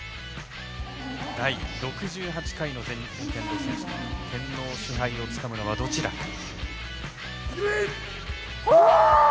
第６８回の全日本剣道選手権天皇賜杯をつかむのはどちらか。